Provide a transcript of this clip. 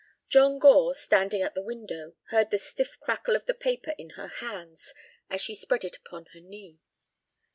John Gore, standing at the window, heard the stiff crackle of the paper in her hands as she spread it upon her knee.